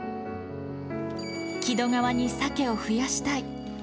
木戸川にサケを増やしたい。